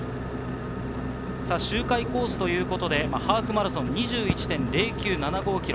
周回コースということでハーフマラソン、２１．０９７５ｋｍ。